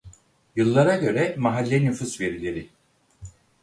Yıllara göre mahalle nüfus verileri: